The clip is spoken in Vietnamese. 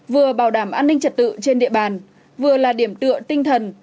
vừa bảo đảm an ninh trật tự trên địa bàn vừa là điểm tựa tinh thần